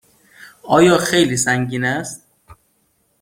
آیا خیلی سنگین است؟